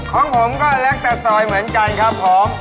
ของผมก็เล็กแต่ซอยเหมือนกันครับผม